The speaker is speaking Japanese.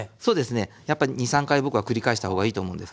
やっぱ２３回僕は繰り返したほうがいいと思うんですけど。